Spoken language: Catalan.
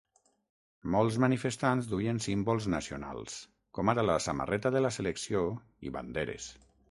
Molts manifestants duien símbols nacionals, com ara la samarreta de la selecció i banderes.